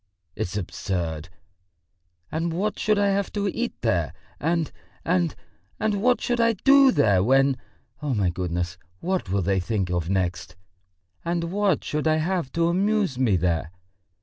It's absurd! And what should I have to eat there? And ... and ... and what should I do there when.... Oh, my goodness, what will they think of next?... And what should I have to amuse me there?...